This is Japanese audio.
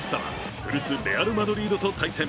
古巣レアル・マドリードと対戦。